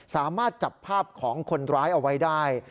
สามารถจับภาพของคนร้ายเอาไว้ได้